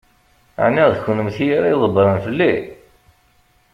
Ɛni d kennemti ara ydebbṛen fell-i?